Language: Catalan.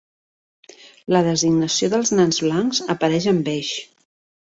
La designació dels nans blancs apareix en beix.